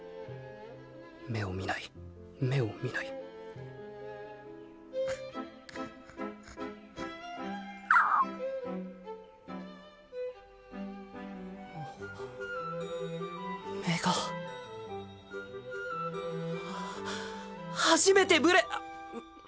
目を見ない目を見ない目が初めてブレッ！